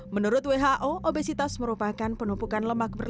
menurut who obesitas merupakan penumpukan lemak berat